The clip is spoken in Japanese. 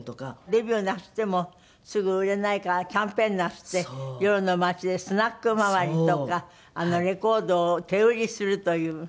デビューなすってもすぐ売れないからキャンペーンなすって夜の街でスナック回りとかレコードを手売りするという。